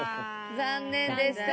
残念でした。